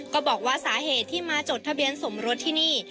ก็บอกว่าสาเหตุที่มาจดทะเบียนสมรสที่นี่